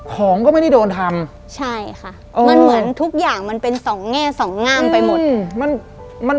ของก็ไม่ได้โดนทำใช่ค่ะมันเหมือนทุกอย่างมันเป็นสองแง่สองงามไปหมด